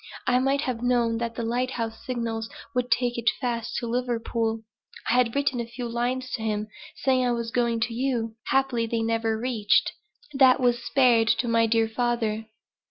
I might have known that the lighthouse signals would take it fast to Liverpool. I had written a few lines to him saying I was going to you; happily they never reached that was spared to my dear father."